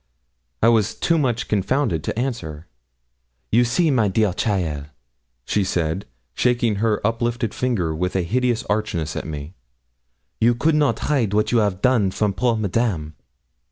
I was too much confounded to answer. 'You see, my dear cheaile,' she said, shaking her uplifted finger with a hideous archness at me, 'you could not hide what you 'av done from poor Madame.